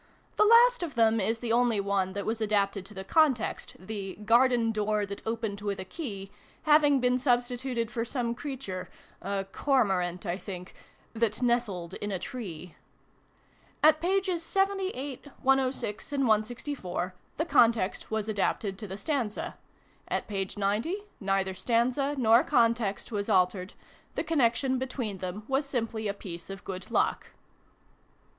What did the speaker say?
The last of them is the only one that was adapted to the context, the " Garden Door that opened with a key" having been substituted for some creature (a Cormorant, I think) " that nestled in a tree." At pp. 78, 1 06, and 164, the context was adapted to the stanza. At p. 90, neither stanza nor context was altered : the connection between them was simply a piece of good luck.